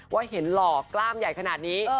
ว่าเห็นหล่อกล้ามใหญ่ขนาดนี้